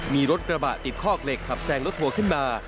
มีรถกระบะติดคอกเหล็กขับแซงรถทัวร์ขึ้นมา